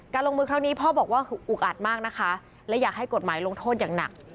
ลงมือครั้งนี้พ่อบอกว่าอุกอัดมากนะคะและอยากให้กฎหมายลงโทษอย่างหนัก